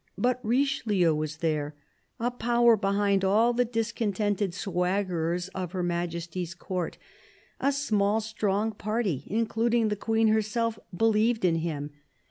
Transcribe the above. But Richelieu was there — a power behind all the dis contented swaggerers of Her Majesty's Court. A small, strong party, including the Queen herself, believed in him.